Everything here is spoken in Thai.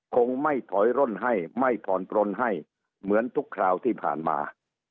คงไม่ถอยร่นให้ไม่ผ่อนปลนให้เหมือนทุกคราวที่ผ่านมา